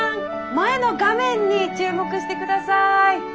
前の画面に注目してください。